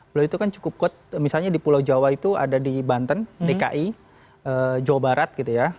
beliau itu kan cukup kuat misalnya di pulau jawa itu ada di banten dki jawa barat gitu ya